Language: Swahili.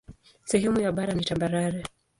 Sehemu ya bara ni tambarare.